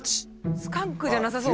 スカンクじゃなさそう。